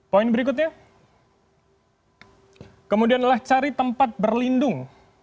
poin berikutnya kemudian adalah cari tempat berlindung